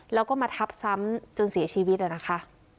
แล้วก็มาทับซ้ำจนเสียชีวิตนะคะ